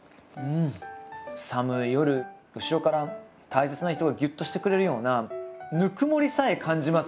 寒い夜後ろから大切な人がぎゅっとしてくれるようなぬくもりさえ感じます